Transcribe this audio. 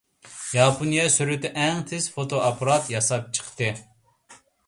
ياپونىيە سۈرئىتى ئەڭ تېز فوتو ئاپپارات ياساپ چىقتى.